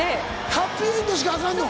ハッピーエンドしかアカンの？